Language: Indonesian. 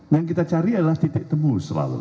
yang kita cari adalah titik temu selalu